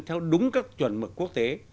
theo đúng các chuẩn mực quốc tế